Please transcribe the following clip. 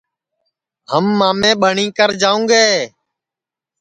ہم مامے ٻٹؔی کر جاؤں گے